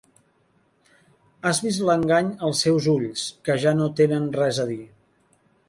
Has vist l'engany als seus ulls, que ja no tenen res a dir.